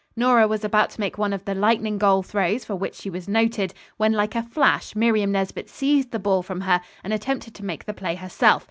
Nora was about to make one of the lightning goal throws for which she was noted, when like a flash Miriam Nesbit seized the ball from her, and attempted to make the play herself.